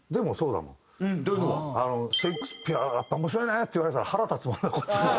「シェイクスピアはやっぱ面白いね」って言われたら腹立つもんねこっちも。